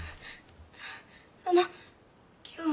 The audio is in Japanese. あの今日は。